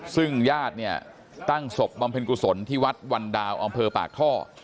ซึ่งญาติเนี่ยตั้งศพบำเพ็ญกุศลที่วัดวันดาวอำเภอปากท่อ